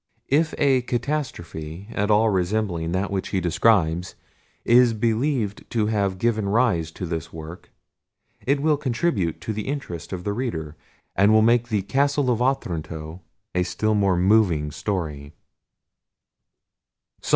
If a catastrophe, at all resembling that which he describes, is believed to have given rise to this work, it will contribute to interest the reader, and will make the "Castle of Otranto" a still more moving story.